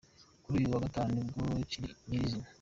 Kuri uyu wa Gatanu nibwo nyirizina